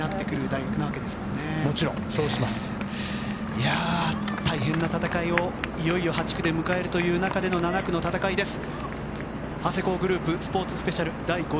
大変な戦いを８区で迎えるという中での７区の戦いです。